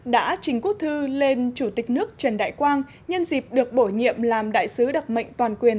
đã trình quốc thư lên chủ tịch nước trần đại quang nhân dịp được bổ nhiệm làm đại sứ đặc mệnh toàn quyền